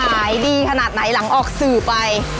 ขายดีขนาดไหนหลังออกสื่อไป